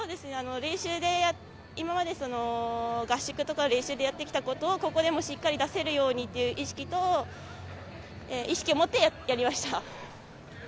今まで合宿とか練習でやってきたことをここでも出せるようにという意識を持ってやりました。